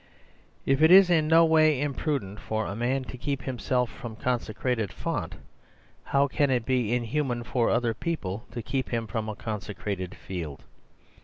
If it is in no way im prudent for a man to keep himself from a con secrated font, how can it be inhuman for other people to keep him from a consecrated field?